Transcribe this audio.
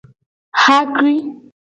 Xakui.